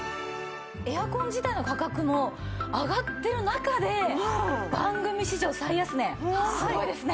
エアコン自体の価格も上がってる中で番組史上最安値すごいですね。